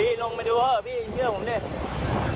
พี่ลงมาดูเหอะพี่เชื่อผมด้วย